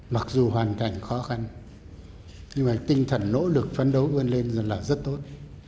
mặc dù hoàn cảnh khó khăn nhưng mà tinh thần nỗ lực phấn đấu vươn lên là rất tốt